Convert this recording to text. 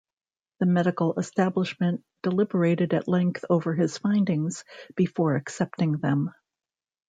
The medical establishment deliberated at length over his findings before accepting them.